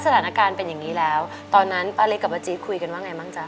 ตอนนั้นป่าเล็กกับอจีบคุยกันว่าไงบ้างจ๊ะ